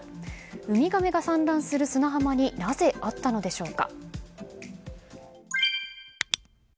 ウミガメが散乱する砂浜になぜあったのでしょうか。